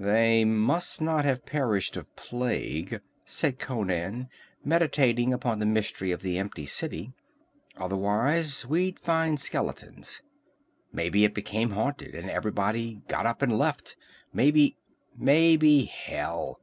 "They must not have perished of plague," said Conan, meditating upon the mystery of the empty city. "Otherwise we'd find skeletons. Maybe it became haunted, and everybody got up and left. Maybe " "Maybe, hell!"